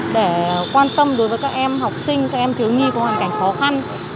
để quan tâm đối với các em học sinh các em thiếu nhi có hoàn cảnh khó khăn